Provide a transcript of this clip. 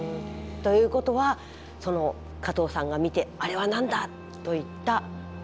ということはその加藤さんが見て「あれはなんだ！」と言ったある人は。